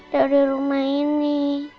dari rumah ini